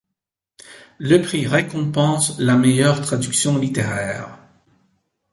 Le prix récompense la meilleure traduction littéraire.